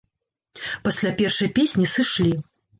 Пасля першай песні сышлі.